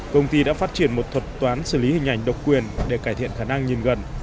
công ty đã phát triển một thuật toán xử lý hình ảnh độc quyền để cải thiện khả năng nhìn gần